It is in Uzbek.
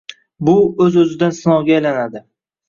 Bu o‘z-o‘zidan sinovga aylanadi.